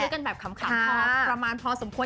กันแบบขำพอประมาณพอสมควร